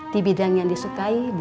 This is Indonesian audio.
di bidang yang disukai